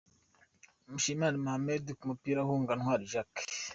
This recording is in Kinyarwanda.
Mushimiyimana Mohammed ku mupira ahunga Ntwari Jacques